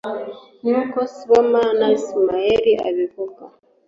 nk’uko Sibomana Ismail abivuga